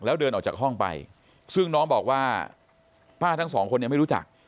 แล้วเดินออกจากห้องไปซึ่งน้องบอกว่าป้าทั้งสองคนยังไม่รู้จัก